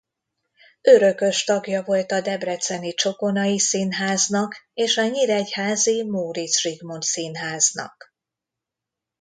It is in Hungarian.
Örökös tagja volt a debreceni Csokonai Színháznak és a nyíregyházi Móricz Zsigmond Színháznak.